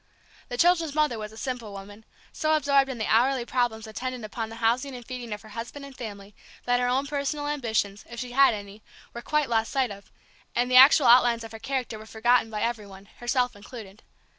The children's mother was a simple woman; so absorbed in the hourly problems attendant upon the housing and feeding of her husband and family that her own personal ambitions, if she had any, were quite lost sight of, and the actual outlines of her character were forgotten by every one, herself included.